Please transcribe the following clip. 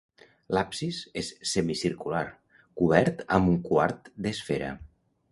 L'absis és semicircular, cobert amb un quart d'esfera.